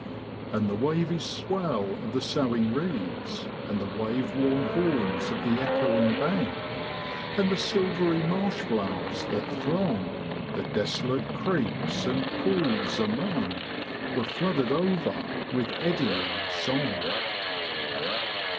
'And the wavy swell of the soughing reeds, And the wave worn horns of the echoing bank, And the silvery marsh flowers that throng The desolate creeks and pools among, Were flooded over with eddying song.